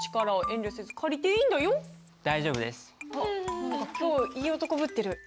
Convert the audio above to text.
何か今日いい男ぶってる。